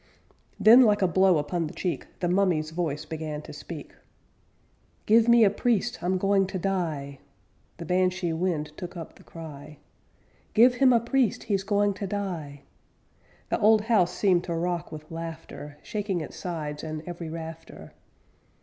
Then, like a blow upon the cheek, The mummy's voice began to speak: 'Give me a priest! I'm going to die!' The Banshee wind took up the cry: 'Give him a priest, he's going to die!' The old house seemed to rock with laughter, Shaking its sides and every rafter.